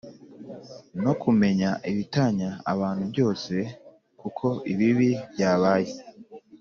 no kumenya ibitanya abantu byose ; kuko ibibi byabay